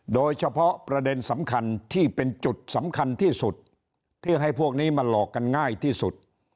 โดยเฉพาะประเด็นสำคัญที่เป็นจุดสำคัญที่สุดที่ให้พวกนี้มาหลอกกันง่ายที่สุด